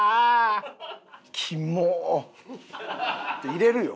入れるよ？